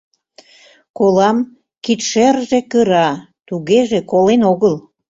Колам — кидшерже кыра, тугеже колен огыл.